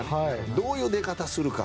どういう出方するか。